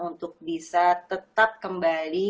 untuk bisa tetap kembali